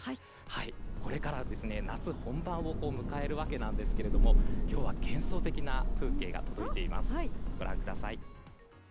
これから夏本番を迎えるわけなんですが今日は幻想的な風景が届いています。